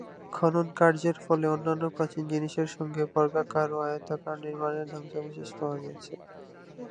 খননকার্যের ফলে অন্যান্য প্রাচীন জিনিসের সঙ্গে বর্গাকার ও আয়তাকার নির্মাণের ধ্বংসাবশেষ পাওয়া গিয়েছে।